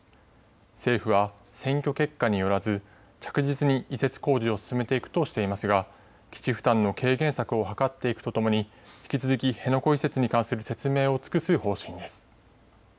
政府は選挙結果によらず、着実に移設工事を進めていくとしていますが基地負担の軽減策を図っていくとともに、引き続き辺野古移設に関する説明を尽くす方針です。